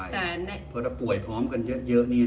เพราะถ้าป่วยพร้อมกันเยอะเนี่ยนะ